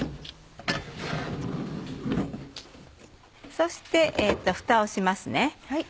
そしてふたをします。